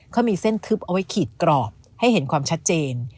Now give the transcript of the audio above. เขามีเส้นทึบเอาไว้ขีดกรอบให้เห็นความชัดเจน